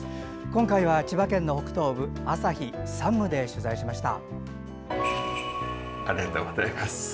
今回は千葉県の北東部旭、山武で取材しました。